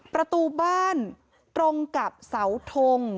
ประตูบ้านตรงกับเสาทง